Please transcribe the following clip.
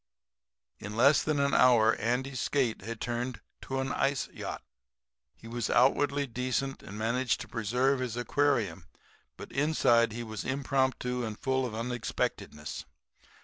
"In less than an hour Andy's skate had turned to an ice yacht. He was outwardly decent and managed to preserve his aquarium, but inside he was impromptu and full of unexpectedness.